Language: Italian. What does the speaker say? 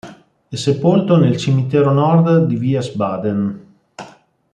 È sepolto nel cimitero Nord di Wiesbaden.